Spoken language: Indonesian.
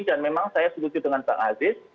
dan memang saya sekutu dengan pak aziz